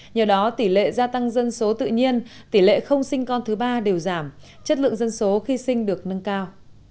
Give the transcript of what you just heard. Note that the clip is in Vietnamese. nhờ đó tỷ lệ gia tăng dân số tự nhiên tỷ lệ không sinh con thứ ba đều giảm chất lượng dân số khi sinh được nâng cao